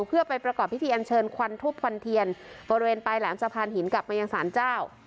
เพื่อไปประกอบพิธีอนเชิญควันถุบคบริเวณปลายหลายสะพานหินกับมะยังสานเจ้า